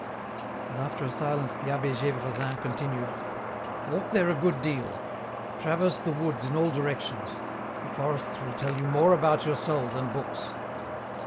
And after ? silence the Ahh6 G^vresin continued, —" Walk there t good deal, traverse the woods in all direction? : th( forest? v. ill tell you more about your soul than book?; .